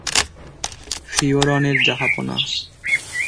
ফিওরনের, জাহাঁপনা!